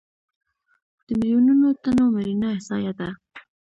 د میلیونونو تنو مړینه احصایه ده.